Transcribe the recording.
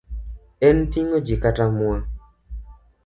En ting'o ji kata mwa